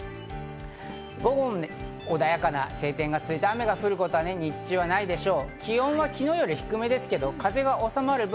午後も穏やかな晴天が続いて、雨が降ることは日中はないでしょう。